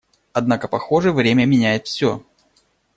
Однако, похоже, время меняет все.